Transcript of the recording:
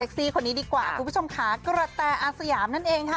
ซี่คนนี้ดีกว่าคุณผู้ชมค่ะกระแตอาสยามนั่นเองค่ะ